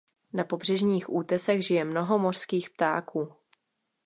Na pobřežních útesech žije mnoho mořských ptáků.